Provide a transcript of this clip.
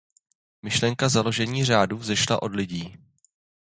Myšlenka založení řádu vzešla od lidí.